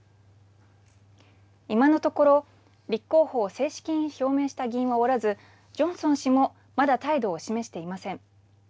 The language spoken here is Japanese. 今のところ、立候補を正式に表明した議員はおらずジョンソン氏もまだ態度を示していません。